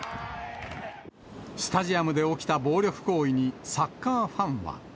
スタジアムで起きた暴力行為にサッカーファンは。